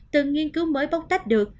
từng nghiên cứu mới bóc tách được